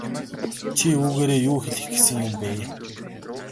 Чи үүгээрээ юу хэлэх гэсэн юм бэ?